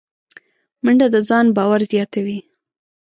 منډه د ځان باور زیاتوي